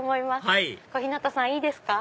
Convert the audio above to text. はい小日向さんいいですか？